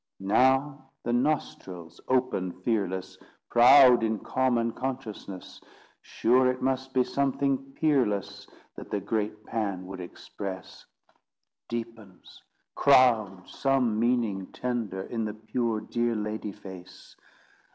Now the nostrils open fearless, Proud in calm unconsciousness, Sure it must be something peerless That the great Pan would express! Deepens, crowds some meaning tender, In the pure, dear lady face.